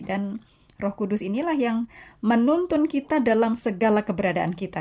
dan roh kudus inilah yang menuntun kita dalam segala keberadaan kita